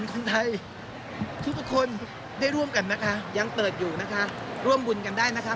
นึกถึงคนเดียวค่ะนึกถึงพ่อหลวงค่ะ